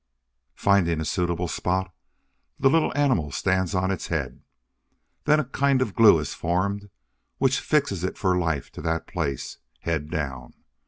Finding a suitable spot, the little animal stands on its head. Then a kind of glue is formed, which fixes it for life to that place, head down.